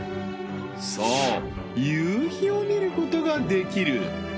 そう夕日を見ることができる！